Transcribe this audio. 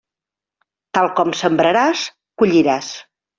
Tal com sembraràs, colliràs.